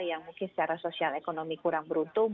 yang mungkin secara sosial ekonomi kurang beruntung